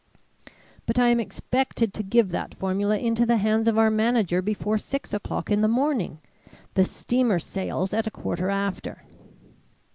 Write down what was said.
"But I am expected to give that formula into the hands of our manager before six o'clock in the morning. The steamer sails at a quarter after."